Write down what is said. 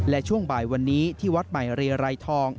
และช่วงบ่ายวันนี้ที่วัดใหม่เรียรัยทอง